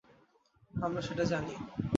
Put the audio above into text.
আমরা সেটা জানি।